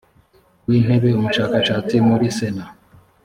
w intebe umushakashatsi muri sena